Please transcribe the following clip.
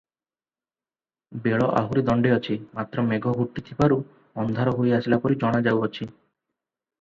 ବେଳ ଆହୁରି ଦଣ୍ତେ ଅଛି, ମାତ୍ର ମେଘ ଘୋଟିଥିବାରୁ ଅନ୍ଧାର ହୋଇ ଆସିଲା ପରି ଜଣାଯାଅଛି ।